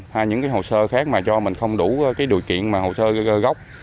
hay những cái hồ sơ khác mà cho mình không đủ cái điều kiện mà hồ sơ gốc